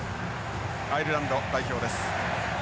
アイルランド代表です。